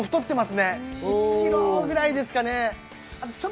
１ｋｇぐらいですかね。